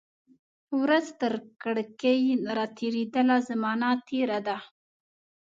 ورځ ترکړکۍ را تیریدله، زمانه تیره ده